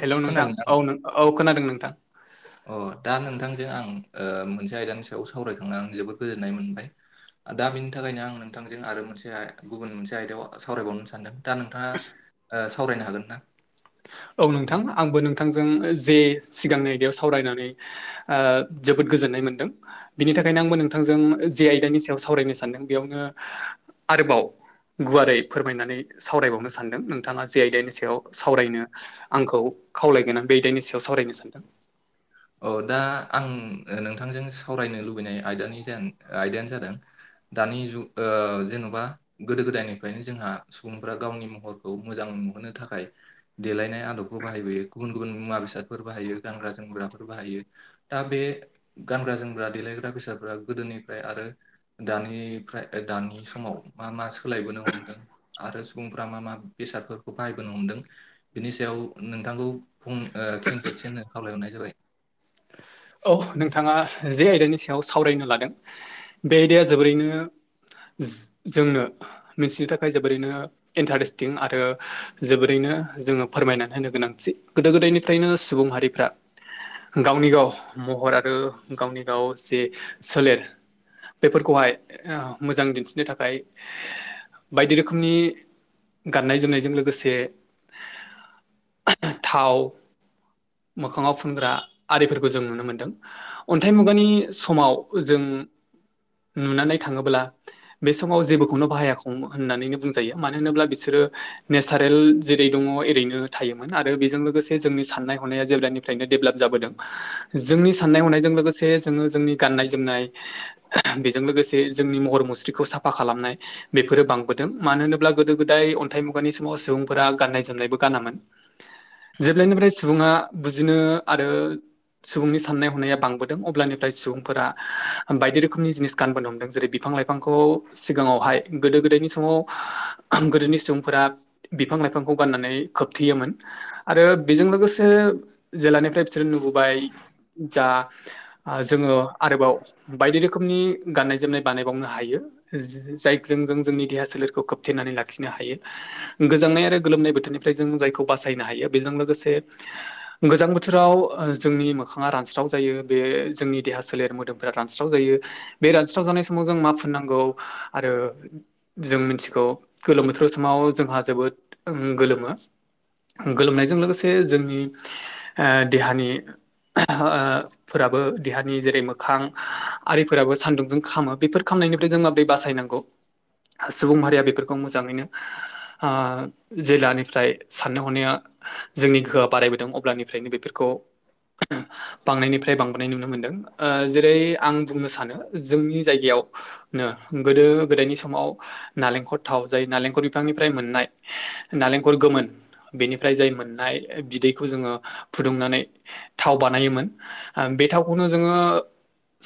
Hello नोंथां औ औ खोनादों नोंथां। [inaudible] अ दा नोंथांजों आं ओ मोनसे आयदानि सायाव सावरायखांनानै आं जोबोद गोजोननाय मोनबाय। दा बिनि थाखायनो आं नोंथांजों आरो मोनसे गुबुन मोनसे आयदायाव सावरायबावनो सानदों। दा नोंथाङा ओ सावरायनो हागोन ना। औ नोंथां आंबो नोंथांजों जे सिगांनि आयदायाव सावरायनानै। ओ जोबोद गोजोननाय मोन्दों। बिनि थाखायनो आंबो नोंथांजों जे आयदानि सायाव सावरायनो सानदों बेयावनो आरोबाव। गुवारै फोरमायनानै सावरायबावनो सानदों नोंथाङा जे आइदनि सायाव सावरायनो। आंखौ खावलायगोन आं बेदानि सायाव सावरायनो सानदों। अ दा आं नोंथांजों सावरायनो लुबैनाय आयदानि आयदायानो जादों। दानि जुग ओ जेन'बा। गोदो गोदायनिफ्रायनो जोंहा सुबुंफ्रा गावनि महरखौ मोजां नुहोनो थाखाय। देलायनाय आदबखौ बाहायबोयो गुबुन गुबुन मुवा बेसादफोर बाहायो गानग्रा जोमग्राफोर। बाहायो दा बे गानग्रा जोमग्रा देलायग्रा बेसादफ्रा गोदोनिफ्राय आरो। दानिफ्राय खा दानि समाव मा मा सोलायबोनो हमदों। आरो सुबुंफ्रा मा मा बेसादफोरखौ बाहायबोनो हमदों। बिनि सायाव नोंथांखौ फं खेंफोदसिन खावलायहरनाय जाबाय। औ नोंथाङा जे आयदानि सायाव सावरायनो लादों बे आयदाया जोबोरैनो। जोंनो मिथिनो थाखाय जोबोरैनो इन्टारेस्टिं आरो। जोबोरैनो जोङो फोरमायनानै होनो गोनांथि गोदो गोदायनिफ्रायनो सुबुं हारिफ्रा। गावनि गाव महर आरो गावनि गाव जे सोलेर। बेफोरखौहाय ओ मोजां दिन्थिनो थाखाय बायदि रोखोमनि। गाननाय जोमनायजों लोगोसे। थाव मोखाङाव फुनग्रा आरिफोरखौ जों नुनो मोनो। मोनदों अन्थाइ मुगानि समाव जों नुनानै थाङोब्ला। बे समाव जेबोखौनो बाहायाखै होननानैनो बुंजायो मानो होनोब्ला बिसोरो। नेचारेल जेरै दङ एओरैनो थायोमोन आरो बेजों लोगोसे जोंनि साननाय हनाया जेब्लानिफ्रायनो डेभेलप जाबोदों। [inaudible] जोंनि साननाय हनायजों लोगोसे जोङो जोंनि गाननाय जोमनाय। बेजों लोगोसे जोंनि महर मुस्रिखौ साफा खालामनाय। बेफोरो बांबोदों मानो होनोब्ला गोदो गोदाय अन्थाइ मुगानि समाव सुबुंफोरा गाननाय जोमनायबो गानामोन। जेब्लायनिफ्राय सुबुङा बुजिनो आरो। सुबुंनि साननाय हनाया बांबोदों अब्लानिफ्राय सुबुंफोरा। बायदि रोखोमनि जिनिस गानबोनो हमदों जेरै बिफां लाइफांखौ सिगाङावहाय गोदो गोदायनिसम समाव गोदोनि सम। फोर बिफां लाइफांखौ गाननानै खोबथेयोमोन आरो बेजों लोगोसे। जेलानिफ्राय बिसोरो नुबोबाय। जा जोङो आरोबाव बायदि रोखोमनि गाननाय जोमनाय बानायबावनो हायो जायजों जों जोंनि देहा सोलेरखौ खोबथेनानै लाखिनो हायो। गोजांनाय आरो गोलोमनाय बोथोरनिफ्राय जों जायखौ बासायनो हायो बेजों लोगोसे गोजां बोथोराव जोंनि बिफाङा रानस्राव जायो बे जोंनि देहा सोलेर मोदोमफोरा रानस्राव जायो बे रानस्राव जानाय समाव जों मा नांगौ आरो जों मिथिगौ। गोलोम बोथोराव समाव जोंहा ओं जोबोद गोलोमो। गोलोमनायजों लोगोसे जोंनि ओ देहानि ओ फोराबो देहानि जेरै मोखां आरिफोराबो सान्दुंजों खामो बेफोर खामनायनिफ्राय जों माबोरै बासायनां गौ सुबुंमारिया बेफोरखौ मोजाङैनो ओ जिलानिफ्राय साननो हनाया जोंनि गोहोआ बारायबोदों अब्लानिफ्रायनो बेफोरखौ बांनायनिफ्राय बांबोनाय नुनो मोनदों ओ जेरै आं बुंनो सानो जोंनि जायगायावनो गोदो गोदायनि समाव नालेंखर थाव जाय नालेंखर बिफांनिफ्राय मोननाय नालेंखर गोमोन बेनिफ्राय जाय मोननाय बिदैखौ जोङो फुदुंनानै थाव बानायोमोन बे थावखौनो जोङो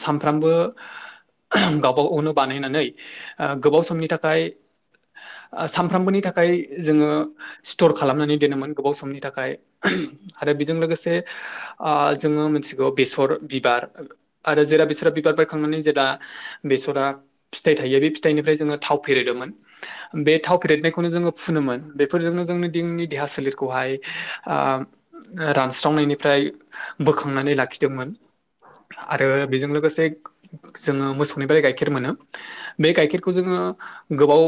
सामफ्रामबो गावबा गावनो बानायनानै ओ गोबाव समनि थाखाय सामफ्रोमबोनि थाखाय जोङो स्टर खालामनानै दोनोमोन गोबाव समनि थाखाय आरो बेजों लोगोसे आ जोङो मिथिगौ बेसर बिबार आरो जेरा बेसरा बिबार बायखांनानै जेब्ला बेसरा फिथाइ थायो बे फिथाइनिफ्राय जोङो थाव फेरोदोंमोन बे थाव फेदेरनायखौनो जोङो फुनोमोन बेफोरजोंनो जोंनि दिनि देहा सोलेरखौहाय ओ रानस्रावनायनिफ्राय बोखांनानै लाखिदोंमोन आरो बेजों लोगोसे जोङो मोसौनिफ्राय गाइखेर मोनो। बे गाइखेरखौ जोङो गोबाव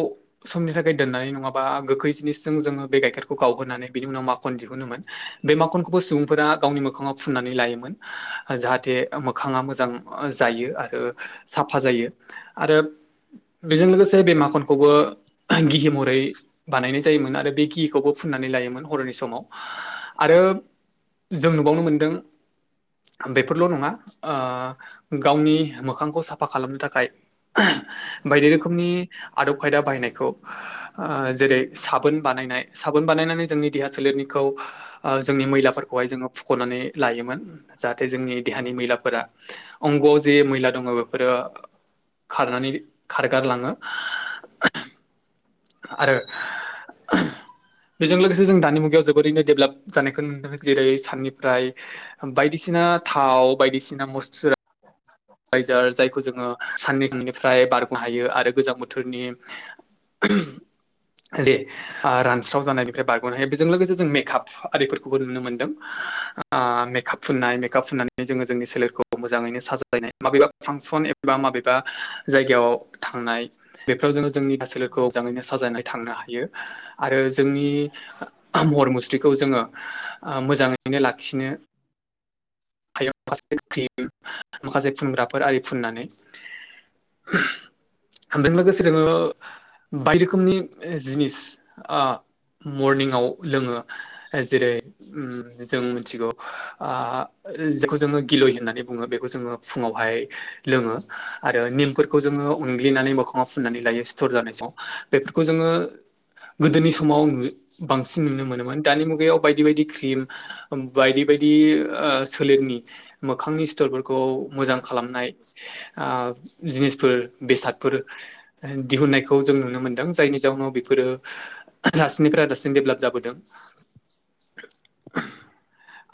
समनि थाखाय दोननानै नङाबा गोखै जोङो बे गाइखेरखौ गावहोनानै बिनि उनाव माखन दिहुनोमोन बे माखनखौबो सुबुंफोरा गाव मोखाङाव फुननानै लायोमोन। जाहाथे मोखाङा मोजां जायो आरो साफा जायो। आरो बेजों लोगोसे बे माखनखौबो गिहि महरै बानायनाय जायोमोन आरो बे गिखौबो फुननानै लायोमोन हर'नि समाव आरो जों नुबावनो मोनदों बेफोरल' नङा ओ गावनि मोखांखौ साफा खालामनो थाखाय बायदि रोखोमनि आदब खायदा बाहायनायखौ ओ जेरै साबोन बानायनाय साबोन बानायनानै जोंनि देहा सोलेरनि खौ ओ जोंनि मैलाफोरखौहाय जोङो फुख'नानै लायोमोन जाहाथे जोंनि देहानि मैलाफोरा अंग'आव जे मैला दङ बेफोरो खारनानै खारगारलाङो। आरो बेजों लोगोसे जों दानि मुगायाव जोबोरैनो डेभ'लाप - जानायखौ नुनो मोन जेरै साननिफ्राय बायदिसिना थाव बायदिसिना मस्थुरा [inaudible] बायजार जायखौ जोङो साननैनिफ्राय बारग'नो हायो आरो गोजां बोथोरनि [inaudible] जे ओ रानस्राव जानायनिफ्राय बारग'नो हायो बेजों लोगोसे जों मेकआप आरिफोरखौबो नुनो मोनदों। आ मेकाप फुननाय मेकाप फुननानै जोङो जोंनि सोलेरखौ मोजाङैनो साजायायनाय माबेबा फांसन एबा माबेबा जायगायाव थांनाय बेफोराव जोङो जोंनि देहा सोलेरखौ मोजाङैनो साजायनाय थांनो हायो आरो जोंनि महर मुस्रिखौ जोङो ओ मोजाङैनो लाखिनो हय माखासे्रि [unintelligible] माखासे फुनग्राफोर आरि फुननानैजों लोगोसे जोङो बायदि रोखोमनि जिनिस ओ मरनिंआव लोङो जेरै उम जों मिथिगौ आ जेखौ जोङो गिलय होननानै बुङो बेखौ जोङो फुङावहाय लोङो आरो निमफोरखौ जोङो उनग्लिनानै मोखाङाव फनानै लायो सिथर जानाय सम बेफोरखौ जोङो गोदोनि समाव बांसिन नुनो मोनोमोन दानि मुगायाव बायदि बायदि क्रिम बायदि बायदि ओ सोलेरनि मोखांनि सिथरफोरखौ मोजां खालामनाय आ जिनिसफोर बेसादफोर दिहुननायखौ जों नुनो मोनदों जायनि जाउनाव बेफोरो दासिनिफ्राय दासिन डेभेलप जाबोदों।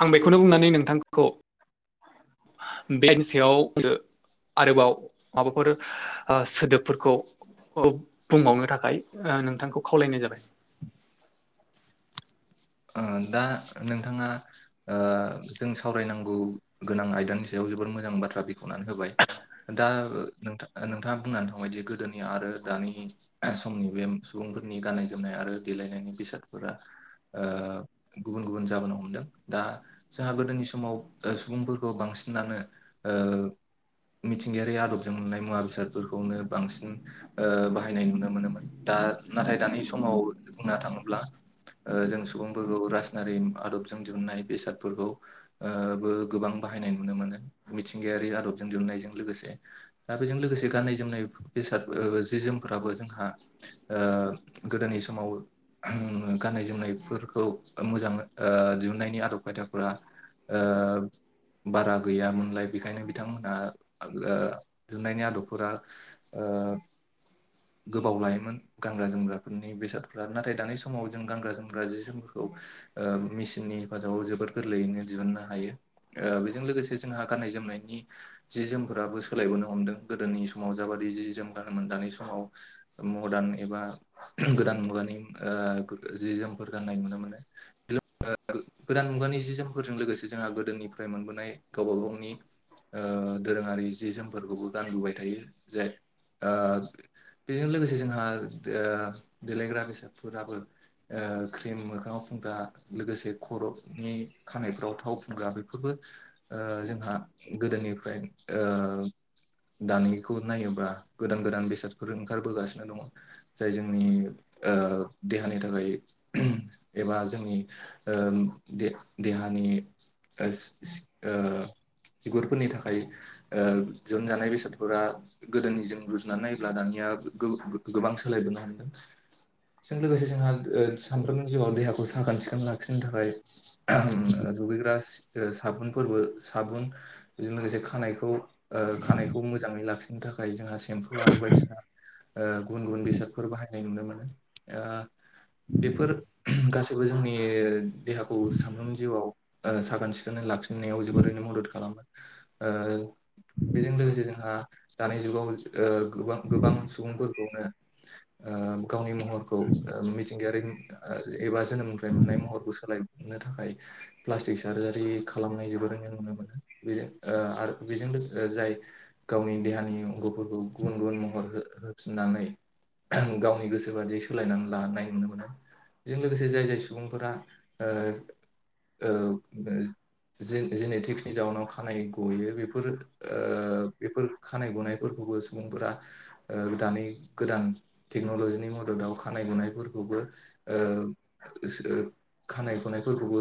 आं बेखौनो बुंनानै नोंथांखौ बेनि सायाव दो आरोबाव माबाफोर ओ सोदोबफोरखौ औ बुंबावनो थाखाय ओ नोंथांखौ खावलायनाय जाबाय। ओ दा नोंथाङा ओ जों सावरायनांगौ गोनां आयदानि सायाव जोबोर मोजां बाथ्रा बेख'वनानै होबाय दा नोंथाङा बुंनानै थांबायदि गोदोनि आरो दानि समनि बे सुबुंफोरनि गाननाय जोमनाय आरो देलायनायनि बेसादफोरा ओ गुबुन गुबुन जाबोनो हमदों दा जोंहा गोदोनि समाव ओ सुबुंफोरखौ बांसिनानो ओ मिथिंगायारि आदबजों मोननाय मुवा बेसादफोरखौनो बांसिन ओ बाहायनाय नुनो मोनोमोन दा नाथाय दानि समाव बुंनो थाङोब्ला ओ जों सुबुंफोरखौ राजनारि आदबजों दिहुननाय बेसादफोरखौ ओ बो गोबां बाहायनाय नुनो मोनो मिथिंगायारि आदबजों दिहुननायजों लोगोसे दा बेजों लोगोसे गाननाय जोमनाय बेसाद ओ जि जोमफोराबो जोंहा ओ गोदोनि समाव गाननाय जोमनायफोरखौ मोजां ओ दिहुननायनि आदब खायदाफोरा ओ बारा गैयामोनलाय बेखायनो बिथांमोनहा ओ दिहुननायनि आदबफोरा ओ गोबाव लायोमोन गानग्रा जोमग्राफोरनि बेसादफ्रा नाथाय दानि समाव जों गानग्रा जोमग्रा जि समफोरखौ ओ मेसिननि हेफाजाबाव जोबोर गोरलैयैनो दिहुननो हायो। ओ बेजों लोगोसे जोंहा गाननाय जोमनायनि जि जोमफोराबो सोलायबोनो हमदों गोदोनि समाव जाबादि जि जोम गानोमोन दानि समाव मडार्न एबा गोदान मुगानि ओ जि जोमफोर गान्नाय नुनो मोनो गोदान मुगानि जि जोमफोरजों लोगोसे जोंहा गोदोनिफ्राय मोनबोनाय गावबा गावनि ओ दोरोङारि जि जोमफोरखौबो गानबोबाय थायो जे ओ बेजों लोगोसे जोंहा ओ देलेग्रा बेसादफोराबो ओ क्रिम मोखाङाव फुंग्रा लोगोसे खर'नि खानायफ्राव थाव फुनग्रा बेफोरबो ओ जोंहा गोदोनिफ्राय ओ दानिखौ नायोब्ला गोदान गोदान बेसादफोर ओंखारबोगासिनो दङ। जाय जोंनि ओ देहानि थाखाय एबा जोंनि ओ दे देहानि ओ सि सि ओ बिगुरफोरनि थाखाय ओ जनजानाय बेसादफोरा गोदोनिजों रुजुनानै नाय ब्ला दानिया गो गोबां सोलायबोनो हमदों। जों लोगोसे जोंहा ओ सानफ्रोमनि जिउआव देहाखौ साखोन सिखोन लाखिनो थाखाय दुगैग्रा सा ओ साबुनफोरबो साबुन बेजों लोगोसे खानायखौ आ खानायखौ मोजाङै लाखिनो थाखाय जोंहा सेम्पु आरो बायदि बायदिसिना ओ गुबुन गुबुन बेसादफोर बाहायनाय नुनो मोनो ओ बेफोर गासैबो जोंनि देहाखौ सानफ्रोमबो जिउआव ओ साखोन सिखोनै लाखिनायाव जोबोरैनो मदद खालामो। ओ बेजों लोगोसे जोंहा दानि जुगाव ओ गोबां गोबां सुबुंफोरखौनो ओ गावनि महरखौ ओ मिथिंगायारि नुथाय एबा जोनोमनिफ्राय मोननाय महरखौ सोलाय नो थाखाय प्लास्टिक सार्जारि खालामनाय जोबोरैनो नुनो मोनो बेजों ओ आरो बेजों लोगो जाय गावनि देहानि अंग'फोरखौ गुबुन गुबुन महर हो-होफिननानै गावनि गोसोबादियै सोलायनानै लानाय नुनो मोनो। बेजों लोगोसे जाय जाय सुबुंफोरा ओ ओ ओ जे जेने थेकसनि जाउनाव खानाय गयो। बेफोर ओ बेफोर खानाय घनायफोरखौबो सुबुंफोरा ओ दानि गोदान टेक्न'लजिनि मददाव खानाय गनायफोरखौबो ओ थांदोसो खानाय ख'नायफोरखौबो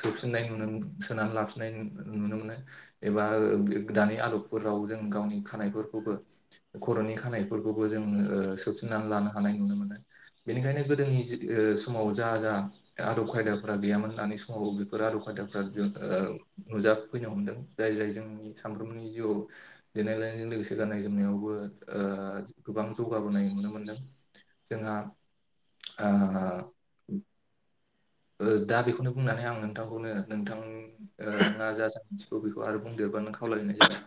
सोफिननाय नुनो सोनानै लाफिननाय नु-नुनो मोनो। एबा ओ दानि आदबफोराव जों गावनि खानायफोरखौबो खर'नि खानायफोरखौबो जों ओ सौफिननानै लानो हानाय नुनो मोनो। बेनिखायनो गोदोनि जो ओ समाव जा जा आ आदब खायदाफ्रा गैयामोन दानि समाव बेफोर आदब खायदाफ्रा [unintelligible] नुजाफैनो हमदों। जाय जाय जोंनि सानफ्रोमनि जिउआव देलाय लायनायजों लोगोसे गाननाय जोमनायावबो ओ ओ गोबां जौगाबोनाय नुनो मोनदों। जोंहा आ ओ दा बेखौनो बुंनानै आं नोंथांखौनो नोंथां ओ मा जाजों थिगौ बेखौ आरो बुंदेरबा खावलायनाय जाबाय।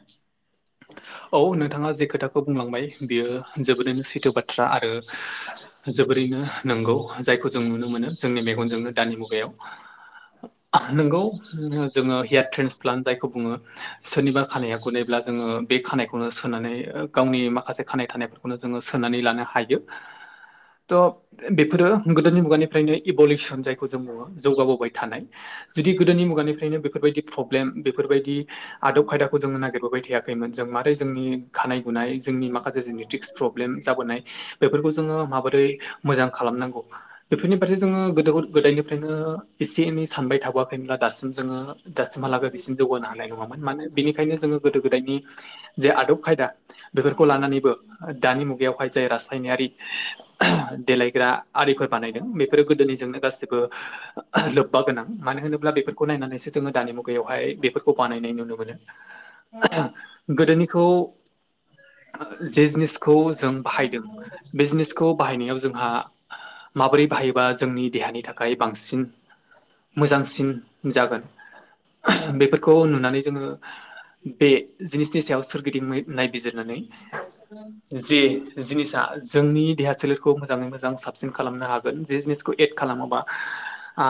औ नोंथाङा जे खोथाखौ बुंलांबाय बियो जोबोरैनो सैथो बाथ्रा। आरो जोबोरैनो नंगौ जायखौ जों नुनो मोनो जोंनि मेगनजोंनो दानि मुगायाव नोंगौ जोङो हेयार ट्रेन्सप्लान्ट जायखौ बुङो। सोरनिबा खानाया गनायब्ला जोङो बे खानायखौनो सोनानै ओ गावनि माखासे खानाय थानायफोर खौनो सोनानै लानो हायो। थ' बेफोरो गोदोनि मुगानिफ्रायनो इबलिख सोन जायखौ जों बुङो। जौगाबोबाय थानाय जुदि गोदोनि मुगानिफ्रायनो बेफोरबायदि प्रब्लेम बेफोरबायदि आदब खायदाखौ जोङो नागिरबोबाय थायाखैमोन जों मारै जोंनि खानाय गुनाय जोंनि माखासे जेनिटेक्स प्रब्लेम जाबोनाय बेफोरखौ जोङो माबोरै मोजां खालामनांगौ बेफोरनि फारसे जोङो गोद दोहुद गोदायनिफ्रायनो एसे एनै सानबाय थाबोआखैमोनब्ला दासिम जोङो दासिमा लागै बिसिम जौगोनो हानाय नङा मोन। मानो बिनिखायनो जोङो गोदो गोदायनि जे आदब खायदा बेफोरखौ लानानैबो ओ दानि मुगायावहाय जाय रासायनारि देलायग्रा आरिफोर बानायदों बेफोरो गोदोनिजोंनो गासिबो लोब्बा गोनां मानो होनोब्ला बेफोरखौ नायनानैसो जोङो दानि मुगायावहाय बेफोरखौ बानायनाय नुनो मोनो। गोदोनिखौ जे जिनिसखौ जों बाहायदों बे जिनिसखौ बाहायनायाव जोंहा माबोरै बाहायोबा जोंनि देहानि थाखाय बांसिन मोजांसिन जागोन बेफोरखौ नुनानै ओङो बे जिनिसनि सायाव सोरगिदिं मै नायबिजिरनानै जे जिनिसा जोंनि देहा सोलेरखौ मोजाङै मोजां साबसिन खालामनो हागोन जे जिनिसखौ एड खालामोबा। आ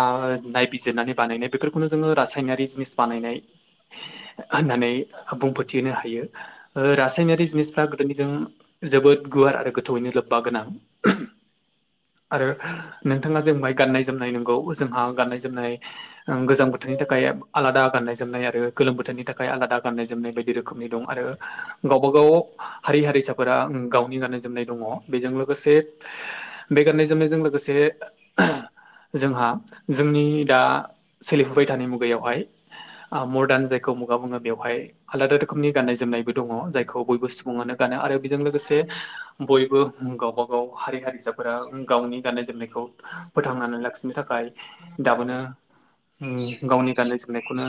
नायबिजिरनानै बानायनाय बेफोरखौनो जोङो रासायनारि जिनिस बानायनाय होननानै बुंफोरथिहोनो हायो। ओ रासायनारि जिनिसफ्रा गोदोनिजों जोबोद गुवार आरो गोथौयैनो लोब्बा गोनां आरो नोंथाङा जे बुंबाय गाननाय जोमनाय नंगौ जोंहा गाननाय जोमनाय गोजां बोथोरनि थाखाय आलादा गाननाय जोमनाय आरो। गोलोम बोथोरनि थाखाय आलादा गाननाय जोमनाय बायदि रोखोमनि दं आरो गावब गाव हारि हारिसाफोरा गावनि गाननाय जोमनाय दङ बेजों लोगोसे बे गाननाय जोमनायजों लोगोसे जोंहा जोंनि दा सोलिफुबाय थानाय मुगायावहाय ओ मदार्न जायखौ मुगा बुङो बेवहाय आलादा रोखोमनि गाननाय जोमनायबो दङ जायखौ बयबो सुबुङनो गानो आरो बेजों लोगोसे बयबो गावबा गाव हारि हारिसाफोरा गावनि गाननाय जोमनायखौ [unintelligible] फोथांनानै लाखिनो थाखाय दाबोनो उम गावनि गाननाय जोमनायखौनो